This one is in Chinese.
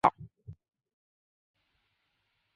轻声不标调。